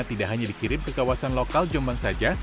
tidak hanya dikirim ke kawasan lokal jombang saja